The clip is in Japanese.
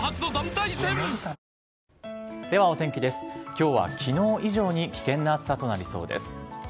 きょうはきのう以上に危険な暑さとなりそうです。